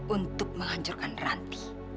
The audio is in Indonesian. untuk menghancurkan ranti